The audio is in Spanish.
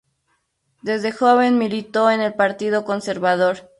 Desde joven militó en el Partido Conservador.